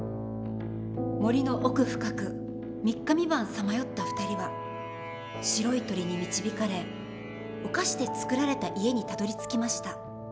森の奥深く三日三晩さまよった２人は白い鳥に導かれお菓子で作られた家にたどりつきました。